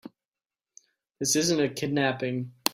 This isn't a kidnapping.